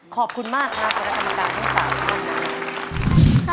ขอบคุณมากค่ะเพราะว่าอำนาจารย์ทั้งสามขอบคุณค่ะ